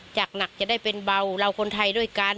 จากหนักจะได้เป็นเบาเราคนไทยด้วยกัน